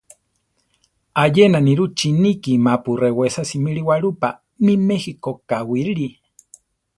Ayena nirú chiníki mapu rewésa simili walúpa mí méjiko kawírili.